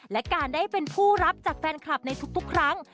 และการได้เป็นผู้รับจากแฟนคลับในทุกครั้ง